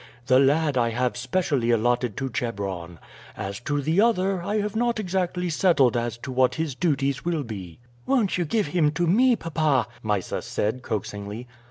The lad I have specially allotted to Chebron; as to the other I have not exactly settled as to what his duties will be." "Won't you give him to me, papa?" Mysa said coaxingly.